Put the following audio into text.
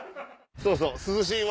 そうそう涼しいわ！